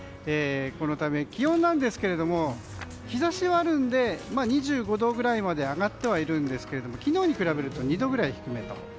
このため、気温なんですが日差しはあるんで２５度くらいまで上がってはいますが昨日に比べると２度くらい低めと。